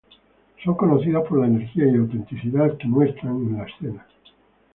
Son conocidos por la energía y autenticidad que muestran en escena.